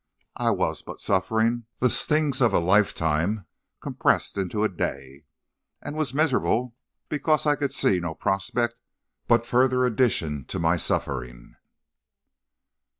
I was but suffering the stings of a lifetime compressed into a day, and was miserable because I could see no prospect but further addition to my suffering."